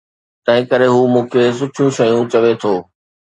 تنهن ڪري هو مون کي سٺيون شيون چوي ٿو